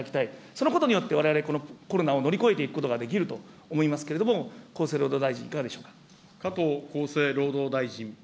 そのことによって、われわれ、このコロナを乗り越えていくことができると思いますけれども、厚生労働大臣、いかがでしょうか。